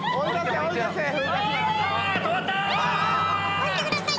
下りてください！